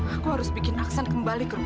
aku harus bikin aksen kembali ke rumah